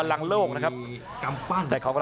อัศวินาศาสตร์